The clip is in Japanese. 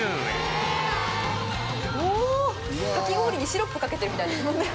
かき氷にシロップかけてるみたいですもんね。